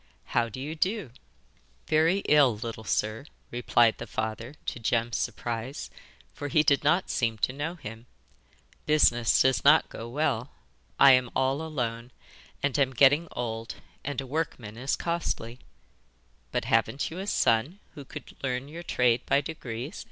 'How do you do?' 'Very ill, little sir, replied the father, to Jem's surprise, for he did not seem to know him. 'Business does not go well. I am all alone, and am getting old, and a workman is costly.' 'But haven't you a son who could learn your trade by degrees?